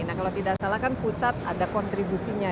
nah kalau tidak salah kan pusat ada kontribusinya